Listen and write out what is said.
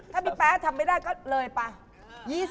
ถ้าพี่แป๊ทำไม่ได้ก็เลยไป